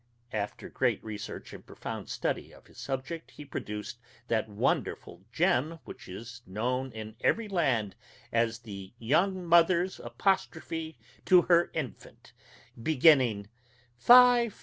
After great research and profound study of his subject, he produced that wonderful gem which is known in every land as "The Young Mother's Apostrophe to Her Infant," beginning: "Fie!